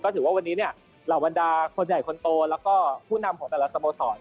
ถือว่าวันนี้เนี่ยเหล่าบรรดาคนใหญ่คนโตแล้วก็ผู้นำของแต่ละสโมสร